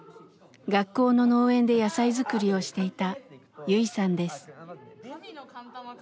学校の農園で野菜作りをしていたユイさんです。